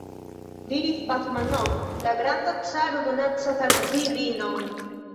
diris Basmanov: la granda caro donacas al vi vinon!